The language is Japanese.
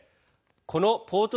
このポート